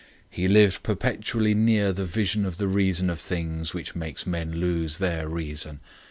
He lived perpetually near the vision of the reason of things which makes men lose their reason.